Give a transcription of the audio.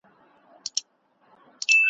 هغه څوک چې کیله خوري تل به ډېر با انرژي وي.